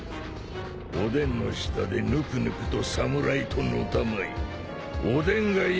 おでんの下でぬくぬくと侍とのたまいおでんがいない